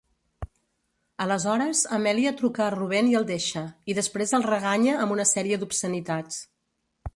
Aleshores, Amelia truca a Rubén i el deixa, i després el reganya amb una sèrie d'obscenitats.